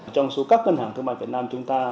trong số các ngân hàng thương mại việt nam chúng ta